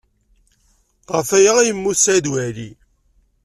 Ɣef waya ay yemmut Saɛid Waɛli.